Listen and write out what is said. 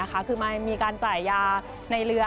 คือมันมีการจ่ายยาในเรือ